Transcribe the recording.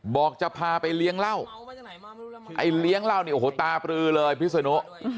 บอกจะพาไปเลี้ยงเหล้าไอ้เลี้ยงเหล้าเนี่ยโอ้โหตาปลือเลยพิศนุ